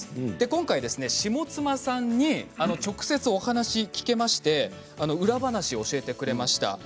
今回、下間さんに直接お話が聞けまして裏話を教えてくれました。